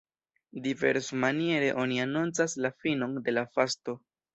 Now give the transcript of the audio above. Diversmaniere oni anoncas la finon de la fasto.